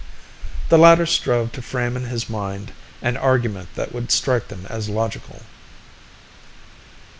The latter strove to frame in his mind an argument that would strike them as logical.